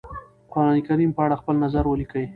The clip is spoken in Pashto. قرآنکريم په اړه خپل نظر وليکی؟